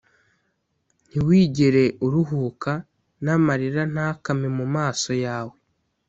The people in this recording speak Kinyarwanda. ntiwigere uruhuka, n’amarira ntakame mu maso yawe!